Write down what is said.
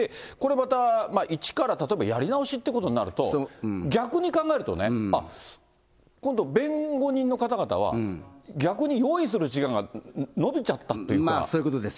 これまた一から例えばやり直しということになると、逆に考えるとね、今度弁護人の方々は、逆に用意する時間が延びちゃったということ。